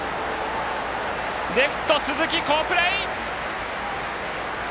レフト、鈴木、好プレー！